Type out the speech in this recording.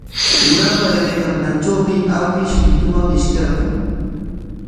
Urapa aywaykanqantrawmi awkish mituman ishkirqun.